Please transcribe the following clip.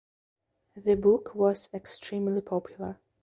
The book was extremely popular.